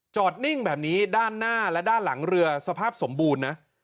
นิ่งแบบนี้ด้านหน้าและด้านหลังเรือสภาพสมบูรณ์นะ